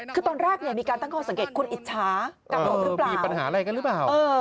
คือตอนแรกมีการตั้งความสังเกตคุณอิจชากาโตะหรือเปล่า